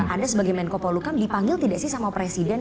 anda sebagai menko polukam dipanggil tidak sih sama presiden